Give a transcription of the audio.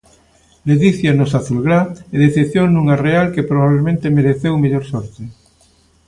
Ledicia nos azulgrá e decepción nunha Real que probablemente mereceu mellor sorte.